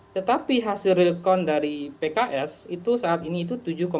tetapi hasil real count dari pks itu saat ini itu tujuh empat